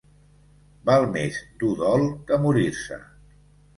Val més dur dol que morir-se.